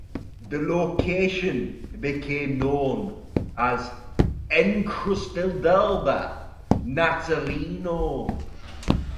The location became known as the Encruzilhada Natalino.